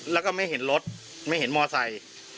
แล้วก็ไม่เห็นรถไม่เห็นมอไซค์